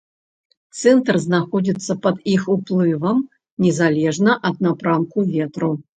Цэнтр знаходзіцца пад іх уплывам незалежна ад напрамку ветру.